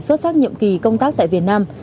xuất sắc nhiệm kỳ công tác tại việt nam